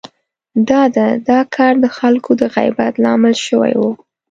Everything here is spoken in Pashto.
د ده دا کار د خلکو د غيبت لامل شوی و.